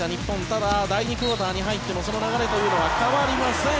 ただ、第２クオーターに入ってもその流れというのは変わりません。